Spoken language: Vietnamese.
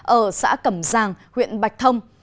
ở xã cẩm giang huyện bạch thông